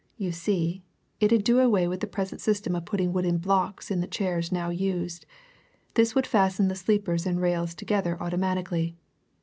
You see, it 'ud do away with the present system of putting wooden blocks in the chairs now used this would fasten the sleepers and rails together automatically.